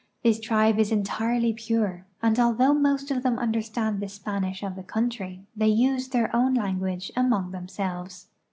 This tribe is entirely pure, and although most of them understand the Spanish of the country, they use their own language among themselves.